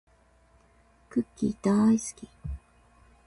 クッキーだーいすき